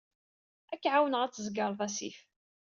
Ad k-ɛawneɣ ad tzeggreḍ asif.